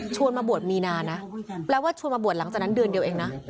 มาบวชมีนานะแปลว่าชวนมาบวชหลังจากนั้นเดือนเดียวเองนะ